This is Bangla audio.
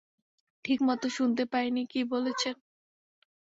ঠিক মত শুনতে পাই নি কী বলেছেন?